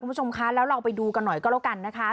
คุณผู้ชมคะแล้วเราไปดูกันหน่อยก็แล้วกันนะคะ